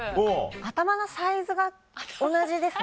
頭のサイズが同じですね。